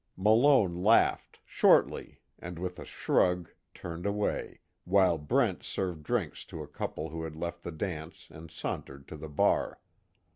Malone laughed, shortly, and with a shrug, turned away, while Brent served drinks to a couple who had left the dance and sauntered to the bar.